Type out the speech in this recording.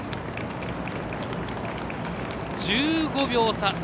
１５秒差。